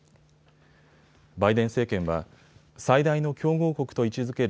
バイデン政権は最大の競合国と位置づける